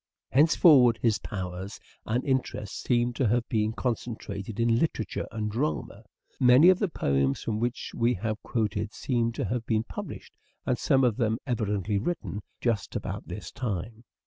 Hence forward his powers and interests seem to have been concentrated in literature and drama. Many of the poems from which we have quoted seem to have been published, and some of them evidently written, just about this time.